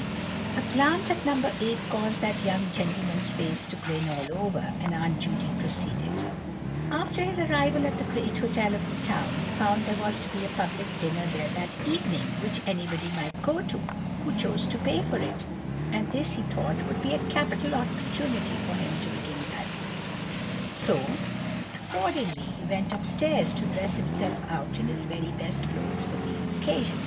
A glance at No. 8 caused that young gentleman's face to grin all over, and Aunt Judy proceeded:— "After his arrival at the great hotel of the town, he found there was to be a public dinner there that evening, which anybody might go to, who chose to pay for it; and this he thought would be a capital opportunity for him to begin life: so, accordingly, he went up stairs to dress himself out in his very best clothes for the occasion.